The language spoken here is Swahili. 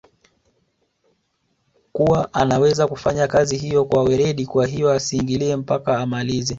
kuwa anaweza kufanya kazi hiyo kwa weredi kwahiyo asiingilie mpaka amalize